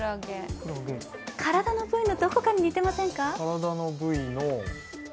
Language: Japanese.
体の部位のどこかに似てませんか？